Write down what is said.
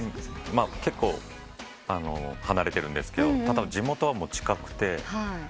結構離れてるんですけど地元は近くて。